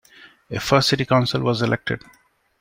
A first City Council was elected.